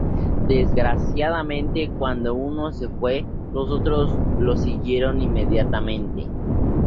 Desgraciadamente, cuando uno se fue, los otros lo siguieron inmediatamente.